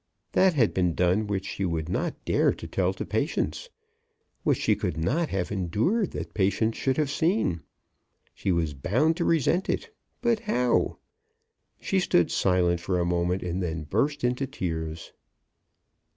That had been done which she would not dare to tell to Patience, which she could not have endured that Patience should have seen. She was bound to resent it; but how? She stood silent for a moment, and then burst into tears.